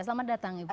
selamat datang ibu